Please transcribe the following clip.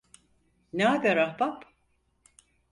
Ne haber ahbap?